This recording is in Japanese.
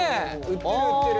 売ってる売ってる。